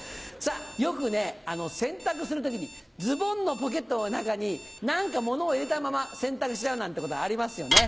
よくね洗濯する時にズボンのポケットの中に何か物を入れたまま洗濯しちゃうなんてことありますよね。